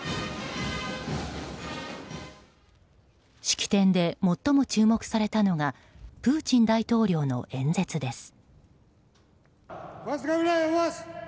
式典で最も注目されたのがプーチン大統領の演説です。